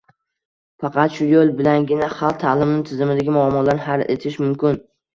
Faqat shu yo‘l bilangina xalq ta’limi tizimidagi muammolarni hal etish mumkin.